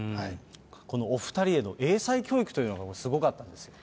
このお２人への英才教育というのがすごかったんですよ。